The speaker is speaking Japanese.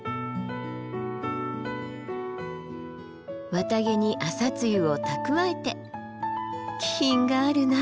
綿毛に朝露を蓄えて気品があるなあ。